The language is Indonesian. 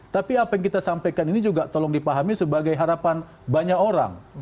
tapi apa yang kita sampaikan ini juga tolong dipahami sebagai harapan banyak orang